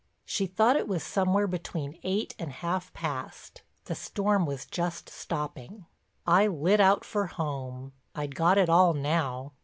She thought it was somewhere between eight and half past—the storm was just stopping. I lit out for home; I'd got it all now.